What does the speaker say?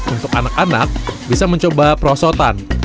untuk anak anak bisa mencoba perosotan